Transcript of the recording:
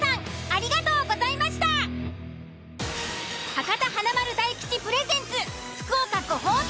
博多華丸・大吉プレゼンツ。